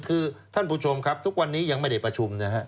คือท่านผู้ชมครับทุกวันนี้ยังไม่ได้ประชุมนะฮะ